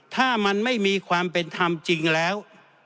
ถ้ามันไม่มีความเป็นธรรมจริงแล้ว